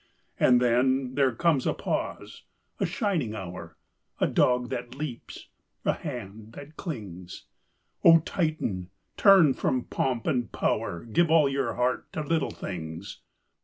and then There comes a pause, a shining hour, A dog that leaps, a hand that clings: O Titan, turn from pomp and power; Give all your heart to Little Things.